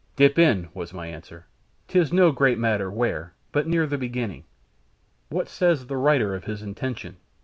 "Dip in," was my answer. "'Tis no great matter where, but near the beginning. What says the writer of his intention?